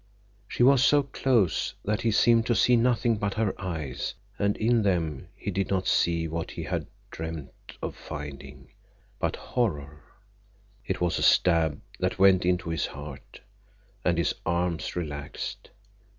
She was so close that he seemed to see nothing but her eyes, and in them he did not see what he had dreamed of finding—but horror. It was a stab that went into his heart, and his arms relaxed.